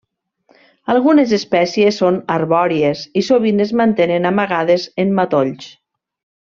Algunes espècies són arbòries i sovint es mantenen amagades en matolls.